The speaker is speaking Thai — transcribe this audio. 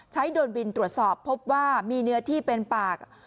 โดนบินตรวจสอบพบว่ามีเนื้อที่เป็นปาก